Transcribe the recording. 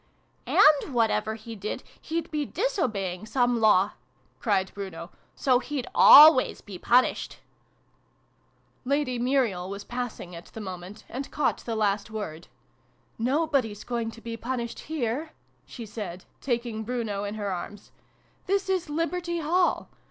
" And, whatever he did, he'd be ^obeying some Law !" cried Bruno. " So he'd always be punished !" xi] THE MAN IN THE MOON. 173 Lady Muriel was passing at the moment, and caught the last word. " Nobody's going to be punished here !" she said, taking Bruno in her arms. " This is Liberty Hall